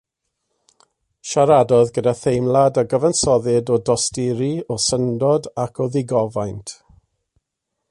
Siaradodd gyda theimlad a gyfansoddid o dosturi, o syndod ac o ddigofaint.